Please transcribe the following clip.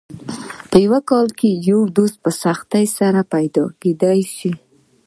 په یو کال کې یو دوست په سختۍ سره پیدا کېدای شي.